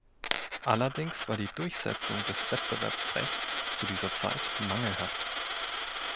Allerdings war die Durchsetzung des Wettbewerbsrechts zu dieser Zeit mangelhaft.